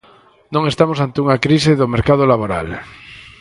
Non estamos ante unha crise do mercado laboral.